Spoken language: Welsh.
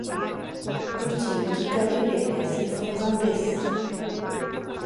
Rwyt ti wedi gyrru'r eneth i ffwrdd am byth.